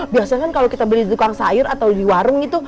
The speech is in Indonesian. biasa kan kalau kita beli di dukang sayur atau di warung gitu